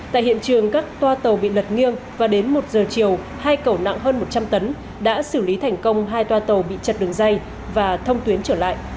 tại hiện trường các toa tàu bị lật nghiêng và đến một giờ chiều hai cầu nặng hơn một trăm linh tấn đã xử lý thành công hai toa tàu bị chật đường dây và thông tuyến trở lại